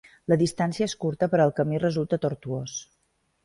La distància és curta, però el camí resulta tortuós.